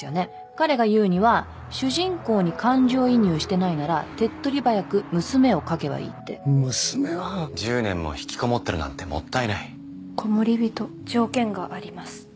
彼が言うには主人公に感情移入してないなら手っ取り早く娘を描けばいいって娘は１０年も引きこもってるなんてもったいないコモリビト条件があります